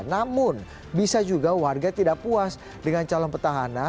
namun bisa juga warga tidak puas dengan calon petahana